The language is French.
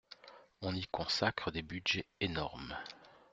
On y consacre des budgets énormes.